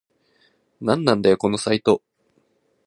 なんなんだよこのサイト